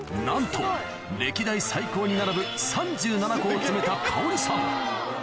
なんと歴代最高に並ぶ３７個を詰めた香織さん